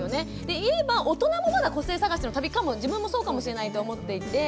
で今大人もまだ個性探しの旅かも自分もそうかもしれないと思っていて。